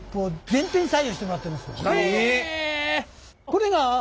これが。